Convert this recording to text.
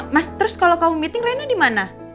mas terus kalau kamu meeting reina dimana